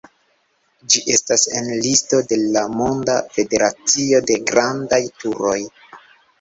Ĝi estas en listo de la Monda Federacio de Grandaj Turoj.